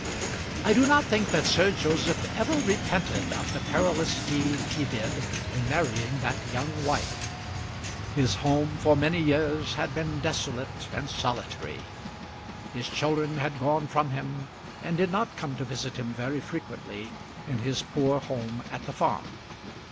I do not think that Sir Joseph ever repented of the perilous deed he did in marrying that young wife. His home for many years had been desolate and solitary; his children had gone from him, and did not come to visit him very frequently in his poor home at the farm.